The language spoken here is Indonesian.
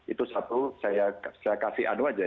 itu satu saya kasih adu aja